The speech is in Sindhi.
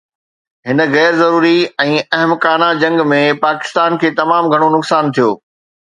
هن غير ضروري ۽ احمقانه جنگ ۾ پاڪستان کي تمام گهڻو نقصان ٿيو.